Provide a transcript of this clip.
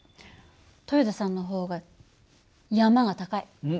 豊田さんの方が山が高い。